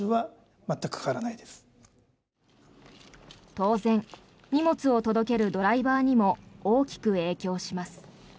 当然荷物を届けるドライバーにも大きく影響します。